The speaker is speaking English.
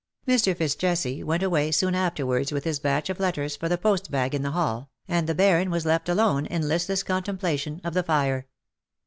Mr. FitzJesse went away soon afterwards with his batch of letters for the post bag in the hall, and the Baron was left alone, in listless contem plation of the fire.